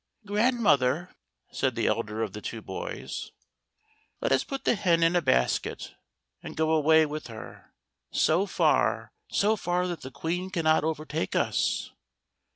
"Grandmother," said the elder of the two boys, "let 62 THE GOLDEN HEN. US put the hen in a basket and go away with her, so far, so far that the Queen cannot overtake us."